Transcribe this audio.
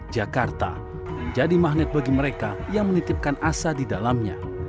jakarta menjadi magnet bagi mereka yang menitipkan asa di dalamnya